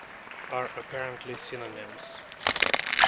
are apparently synonyms.